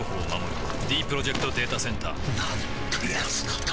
ディープロジェクト・データセンターなんてやつなんだ